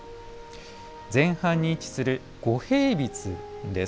前半に位置する御幣櫃です。